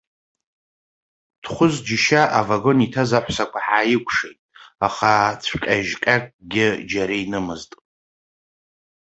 Дхәыз џьышьа авагон иҭаз аҳәсақәа ҳааиқәшеит, аха цәҟьа-жьҟьакгьы џьара инымызт.